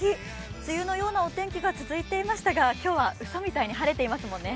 梅雨のようなお天気が続いていましたが、今日はうそみたいに晴れてますもんね。